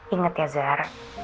ingat ya zar